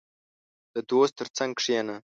• د دوست تر څنګ کښېنه.